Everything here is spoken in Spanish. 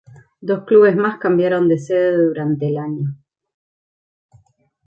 Dos clubes más cambiaron de sede durante el año.